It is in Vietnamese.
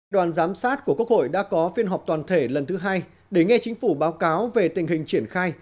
đoàn giám sát của quốc hội đã có phiên họp toàn thể lần thứ hai để nghe chính phủ báo cáo về tình hình triển khai